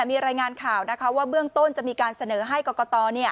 มีรายงานข่าวว่าเบื้องต้นจะมีการเสนอให้กรกต